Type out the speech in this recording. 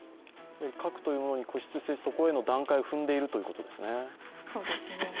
核というものに固執して、そこへの段階を踏んでいるということですね。